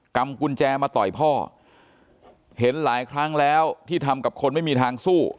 กุญแจมาต่อยพ่อเห็นหลายครั้งแล้วที่ทำกับคนไม่มีทางสู้